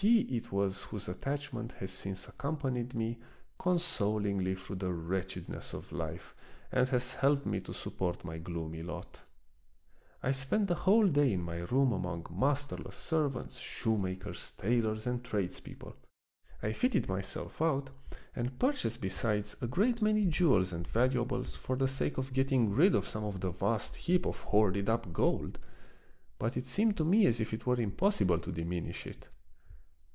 He it was whose attachment has since accompanied me consol ingly through the wretchedness of life and has helped me to support my gloomy lot. I spent the whole day in my room among masterless servants, shoemakers, tailors, and tradespeople. I fitted myself out, and purchased besides a great many jewels and valuables for the sake of getting rid of some of the vast heap of hoarded 20 The Wo7iderful History up gold; but it seemed to me as if it were im possible to diminish it.